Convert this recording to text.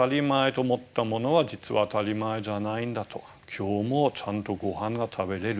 今日もちゃんとごはんが食べれる。